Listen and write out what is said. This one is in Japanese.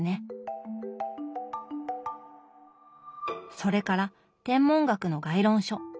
それから天文学の概論書。